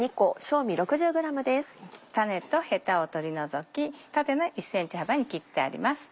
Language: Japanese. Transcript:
種とヘタを取り除きたての１ｃｍ幅に切ってあります。